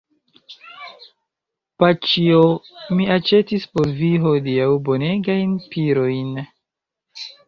Paĉjo, mi aĉetis por vi hodiaŭ bonegajn pirojn.